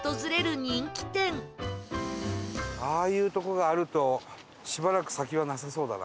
ああいうとこがあるとしばらく先はなさそうだな。